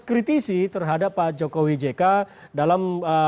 kritisi terhadap pak jokowi jk dalam